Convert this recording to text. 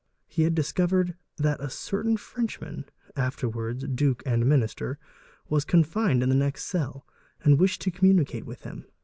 He had discovered that a certain Frenchman (afterwards a uke and Minister) was confined in the next cell and wished to commu nicate with him.